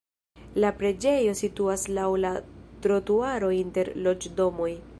La preĝejo situas laŭ la trotuaro inter loĝdomoj.